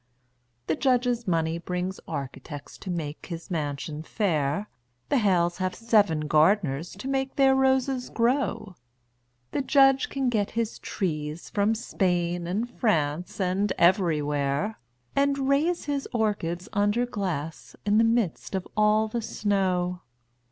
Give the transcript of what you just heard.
The Judge's money brings architects to make his mansion fair; The Hales have seven gardeners to make their roses grow; The Judge can get his trees from Spain and France and everywhere, And raise his orchids under glass in the midst of all the snow.